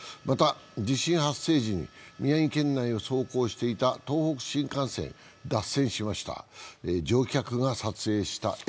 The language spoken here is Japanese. また地震発生時に宮城県内を走行していた東北新幹線、脱線しました。